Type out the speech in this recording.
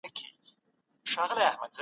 هر طبي اقدام ارزونه غواړي.